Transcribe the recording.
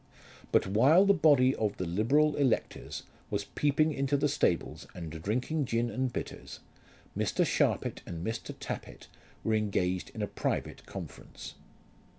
But while the body of the liberal electors was peeping into the stables and drinking gin and bitters, Mr. Sharpit and Mr. Tappitt were engaged in a private conference.